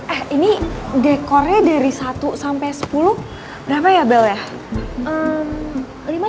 eh ini dekornya dari satu sampai sepuluh berapa ya abel ya